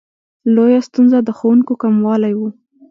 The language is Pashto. لویه ستونزه د ښوونکو کموالی و.